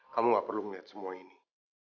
kamu gak perlu melihat semua ini